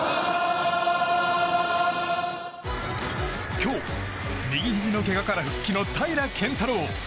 今日、右ひじのけがから復帰の平良拳太郎。